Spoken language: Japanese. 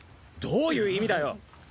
どういう意味だよ？